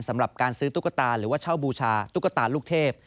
สำหรับการซื้อตุ๊กตาหรือว่าเช่าบูชาตุ๊กตาลูกเทพ